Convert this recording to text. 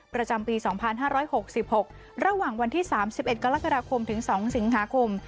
ประจำปี๒๕๖๖ระหว่างวันที่๓๑กรกฎาคมถึง๒สิงหาคม